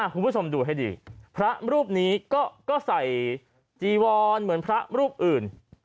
คุณผู้ชมดูให้ดีพระรูปนี้ก็ใส่จีวรเหมือนพระรูปอื่น